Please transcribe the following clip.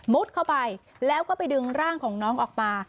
เข้าไปแล้วก็ไปดึงร่างของน้องออกมา